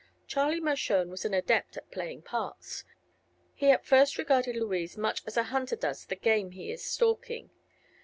Charlie Mershone was an adept at playing parts. He at first regarded Louise much as a hunter does the game he is stalking.